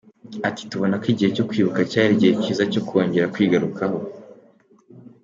Ati”Tubona ko igihe cyo kwibuka cyari igihe cyiza cyo kongera kwigarukaho.